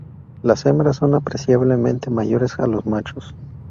Las hembras son apreciablemente mayores a los machos.